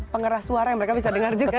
pengeras suara yang mereka bisa dengar juga